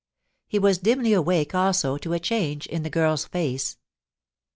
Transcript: He was dimly awake also to a change in the girl's face.